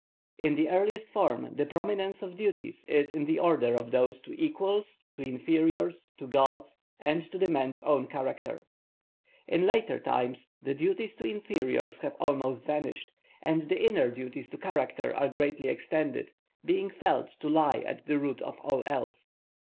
In the earliest form the prominence of duties is in the order of those to equals, to inferiors, to gods, and to the man's own character. In later times the duties to inferiors have almost vanished, and the inner duties to character are greatly extended, being felt to lie at the root of all else.